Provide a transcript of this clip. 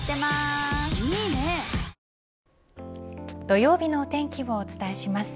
土曜日のお天気をお伝えします。